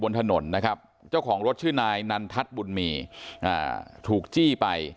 บนถนนนะครับเจ้าของรถชื่อนายนันทัศน์บุญมีถูกจี้ไป